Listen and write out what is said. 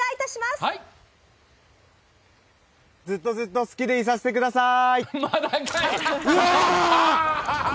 ずっと、ずっと好きでいさせてください！